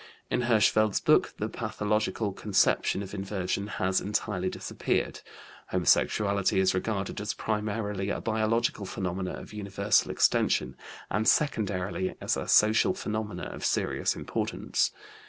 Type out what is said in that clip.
In Hirschfeld's book the pathological conception of inversion has entirely disappeared; homosexuality is regarded as primarily a biological phenomenon of universal extension, and secondarily as a social phenomenon of serious importance.